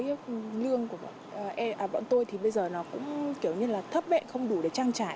cái lương của bọn tôi thì bây giờ nó cũng kiểu như là thấp bệ không đủ để trang trải